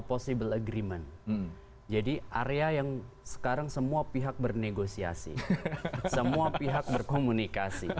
possible agreement jadi area yang sekarang semua pihak bernegosiasi semua pihak berkomunikasi